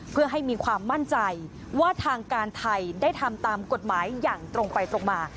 เพื่อให้มีความมั่นใจว่าทางการไทยได้ทำตามกฎหมายอย่างตรงไปตรงมา